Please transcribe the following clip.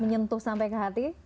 menyentuh sampai ke hati